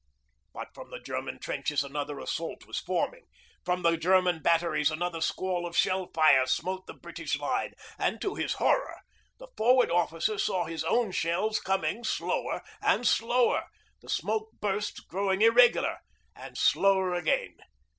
But from the German trenches another assault was forming, from the German batteries another squall of shell fire smote the British line; and to his horror, the Forward Officer saw his own shells coming slower and slower, the smoke bursts growing irregular and slower again.